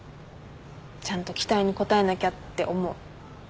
ちゃんと期待に応えなきゃって思う。